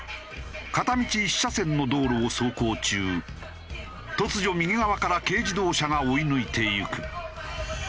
片道１車線の道路を走行中突如右側から軽自動車が追い抜いていく。